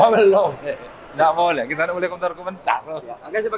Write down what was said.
belum tidak boleh kita boleh komentar komentar